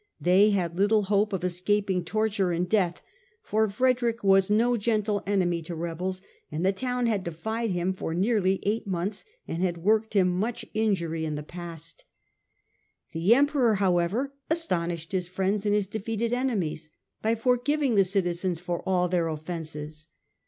They had little hope of escaping torture and death, for Frederick was no gentle enemy to rebels, and the town had defied him for nearly eight months and had worked him much injury in the past. 1 86 STUPOR MUNDI The Emperor, however, astonished his friends and his defeated enemies by forgiving the citizens for all their offences.